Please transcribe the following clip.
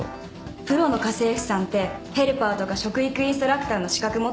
プロの家政婦さんってヘルパーとか食育インストラクターの資格持ってる人もいる。